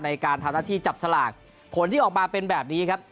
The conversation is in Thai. ในการทำหน้าที่จับสลากผลที่ออกมาเป็นแบบนี้ครับ